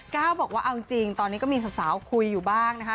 ก้าวบอกว่าเอาจริงตอนนี้ก็มีสาวคุยอยู่บ้างนะคะ